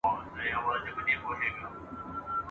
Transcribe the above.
نن سهار خبر سوم چي انجنیر سلطان جان کلیوال ..